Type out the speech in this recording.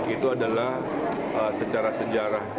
itu adalah secara sejarah